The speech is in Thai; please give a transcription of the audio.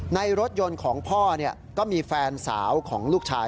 ในรถยนต์ของพ่อก็มีแฟนสาวของลูกชาย